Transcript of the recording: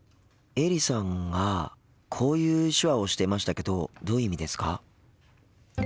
エリさんがこういう手話をしてましたけどどういう意味ですか？